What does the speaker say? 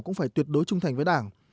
cũng phải tuyệt đối trung thành với đảng